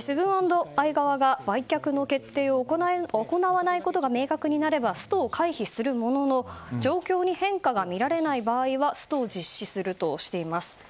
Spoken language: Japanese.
セブン＆アイ側が売却の決定を行わないことが明確になればストを回避するものの状況に変化が見られない場合はストを実施するとしています。